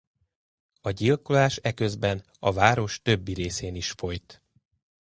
A gyilkolás eközben a város többi részén is folyt.